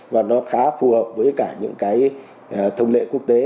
và nó khá phù hợp với những thông lệ quốc tế